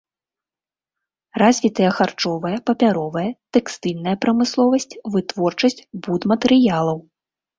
Развітыя харчовая, папяровая, тэкстыльная прамысловасць, вытворчасць будматэрыялаў.